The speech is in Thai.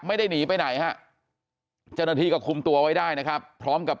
ไม่ได้หนีไปไหนฮะเจ้าหน้าที่ก็คุมตัวไว้ได้นะครับพร้อมกับ